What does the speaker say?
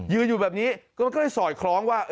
อยู่แบบนี้ก็เลยสอดคล้องว่า